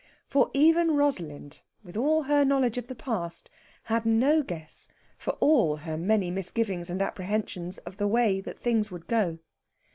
For even Rosalind, with all her knowledge of the past, had no guess, for all her many misgivings and apprehensions, of the way that things would go.